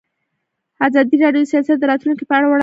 ازادي راډیو د سیاست د راتلونکې په اړه وړاندوینې کړې.